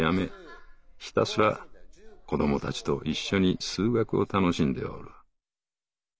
ひたすら子どもたちと一緒に数学を楽しんでおる。